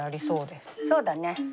そうだね。